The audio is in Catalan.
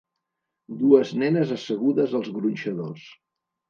Dues nenes assegudes als gronxadors.